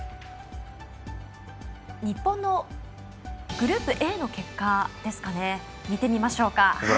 日本のグループＡの結果を見てみましょう。